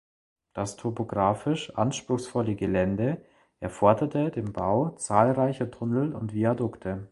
Das topografisch anspruchsvolle Gelände erforderte den Bau zahlreicher Tunnel und Viadukte.